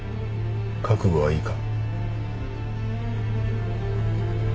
覚悟はいいか？